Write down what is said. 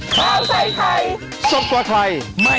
โปรดติดตามตอนต่อไป